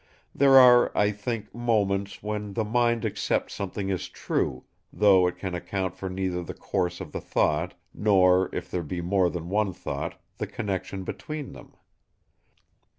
There are, I think, moments when the mind accepts something as true; though it can account for neither the course of the thought, nor, if there be more than one thought, the connection between them.